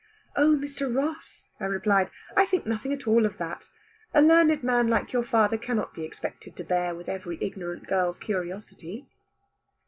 "Oh, Mr. Ross," I replied, "I think nothing at all of that. A learned man like your father cannot be expected to bear with every ignorant girl's curiosity."